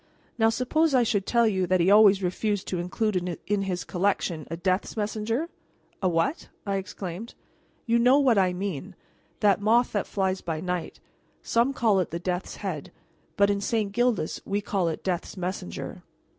Now suppose I should tell you that he always refused to include in his collection a Death's Messenger?" "A what?" I exclaimed. "You know what I mean that moth that flies by night; some call it the Death's Head, but in St. Gildas we call it 'Death's Messenger.'"